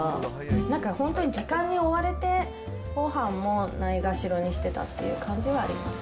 なんか本当に時間に追われて、ごはんもないがしろにしてたっていう感じはあります。